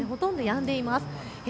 ほとんどやんでいます。